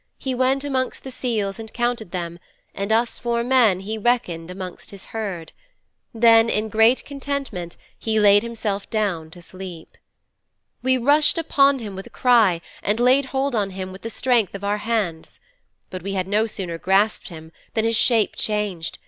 He went amongst the seals and counted them, and us four men he reckoned amongst his herd. Then in great contentment he laid himself down to sleep. 'We rushed upon him with a cry and laid hold on him with all the strength of our hands. But we had no sooner grasped him than his shape changed.